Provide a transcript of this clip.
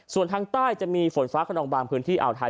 ส่วนทางใต้จะมีฝนฟ้าขนองบางพื้นที่อ่าวไทย